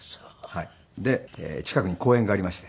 はいで近くに公園がありまして。